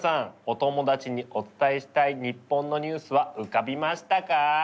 お友達にお伝えしたい日本のニュースは浮かびましたか？